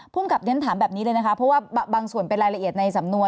กับฉันถามแบบนี้เลยนะคะเพราะว่าบางส่วนเป็นรายละเอียดในสำนวน